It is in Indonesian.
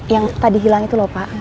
yang tadi hilang itu lho pak